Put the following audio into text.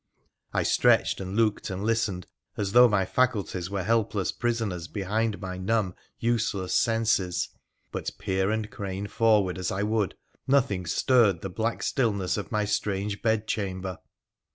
I stretched, and looked and listened as though my faculties were helpless prisoners behind my numb, useless senses ; but, peer and crane forward as I would, nothing stirred the black stillness of my strange bed chamber.